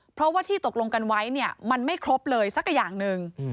เพราะว่าที่ตกลงกันไว้เนี่ยมันไม่ครบเลยสักอย่างหนึ่ง